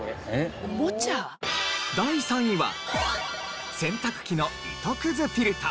第３位は洗濯機の糸くずフィルタ。